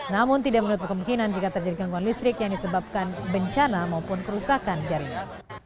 namun tidak menutup kemungkinan jika terjadi gangguan listrik yang disebabkan bencana maupun kerusakan jaringan